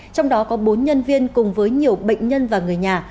trong đó có bốn nhân viên cùng với nhiều bệnh nhân và người nhà